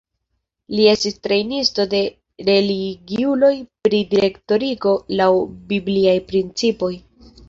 Li estis trejnisto de religiuloj pri direktoriko laŭ bibliaj principoj.